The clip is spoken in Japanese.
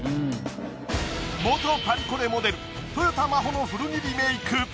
元パリコレモデルとよた真帆の古着リメイク。